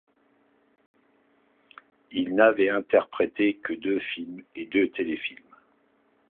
Il n’avait interprété que deux films et deux téléfilms.